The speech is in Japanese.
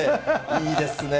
いいですね。